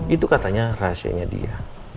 itu katanya rahasianya dia